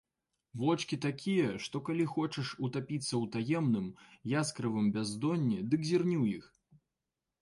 Вочкі такія, што калі хочаш утапіцца ў таемным, яскравым бяздонні, дык зірні ў іх.